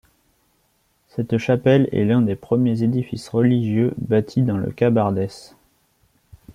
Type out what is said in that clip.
Cette chapelle est l’un des premiers édifices religieux bâtis dans le Cabardès.